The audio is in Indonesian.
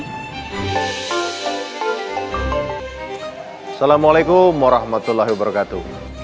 assalamualaikum warahmatullahi wabarakatuh